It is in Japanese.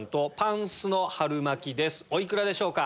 お幾らでしょうか？